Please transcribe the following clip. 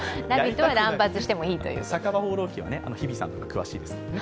「酒場放浪記」は日比さんの方が詳しいですからね。